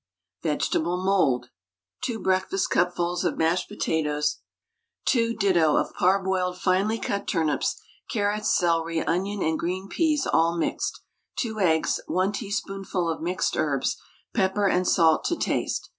VEGETABLE MOULD. 2 breakfastcupfuls of mashed potatoes, 2 ditto of parboiled finely cut turnips, carrots, celery, onion, and green peas all mixed, 2 eggs, 1 teaspoonful of mixed herbs, pepper and salt to taste.